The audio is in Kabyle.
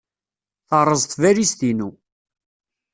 Terreẓ tbalizt-inu.